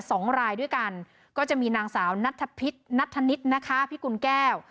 เป็น๒รายด้วยกันก็จะมีนางสาวนะทพิดณธนิตนะคะพี่คุณแก้ว